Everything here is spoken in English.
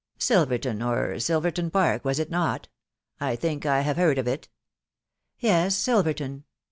" Silverton or Silverton Park, was it not ?.... I think I have heard of it" " Yes, Silverton.